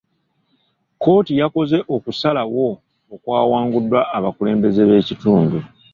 kkooti yakoze okusalawo okwawanguddwa abakulembeze b'ekitundu.